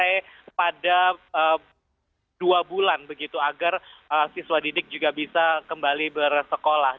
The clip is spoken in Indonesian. dan rumah rumah warga juga harus selesai pada dua bulan begitu agar siswa didik juga bisa kembali bersekolah